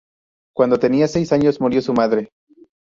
Cuando tenía seis años murió su madre.